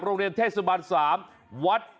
โรงเรียนเทศบ้านสามวัด